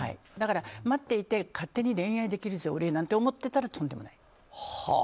だから待っていて勝手に恋愛できるぜ俺なんて思っていたらとんでもない。